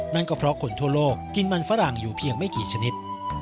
นั่นก็เพราะคนทั่วโลกกินมันฝรั่งอยู่เพียงไม่กี่ชนิด